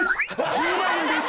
１０万円です！